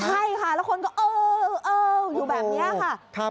ใช่ค่ะแล้วคนก็เอ่อเอ่ออยู่แบบเนี้ยค่ะครับ